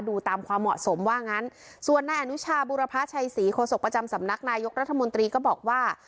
ดูตามความเหมาะสมว่างั้นส่วนนายอนุชาบุรพชัยศรีโฆษกประจำสำนักนายกรัฐมนตรีก็บอกว่า